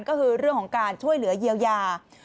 ก็คือเรื่องของการช่วยเหลือเยียวยา